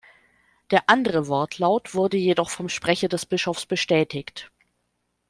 Der andere Wortlaut wurde jedoch vom Sprecher des Bischofs bestätigt.